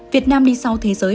việt nam đi sau thế giới